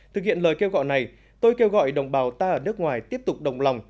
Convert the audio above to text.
thực hiện lời kêu gọi này tôi kêu gọi đồng bào ta ở nước ngoài tiếp tục đồng lòng